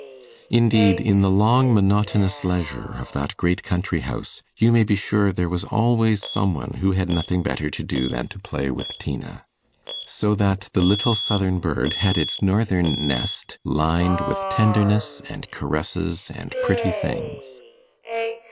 Indeed, in the long monotonous leisure of that great country house, you may be sure there was always some one who had nothing better to do than to play with Tina. So that the little southern bird had its northern nest lined with tenderness, and caresses, and pretty things.